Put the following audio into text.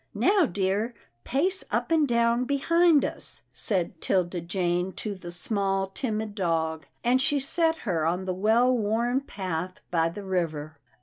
" Now dear, pace up and down behind us," said Tilda Jane to the small timid dog, and she set her on the well worn path by the river.